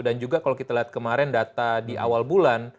dan juga kalau kita lihat kemarin data di awal bulan